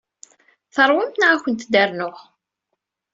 Teṛwamt neɣ ad kent-d-rnuɣ?